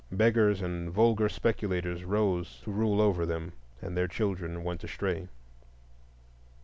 Beggars and vulgar speculators rose to rule over them, and their children went astray.